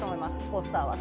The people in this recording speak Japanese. ポスターは。